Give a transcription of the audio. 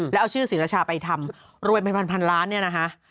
แล้วเอาชื่อศิรชาไปทำรวมเป็นพันล้านเนี่ยนะคะ